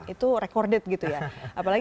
itu recorded gitu ya apalagi